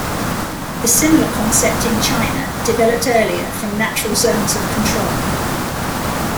The similar concept in China developed earlier from natural zones of control.